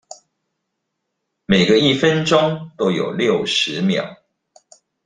每個一分鐘都有六十秒